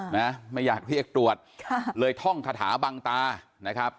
ไม่อยากเรียกตรวจค่ะเลยท่องคาถาบังตานะครับ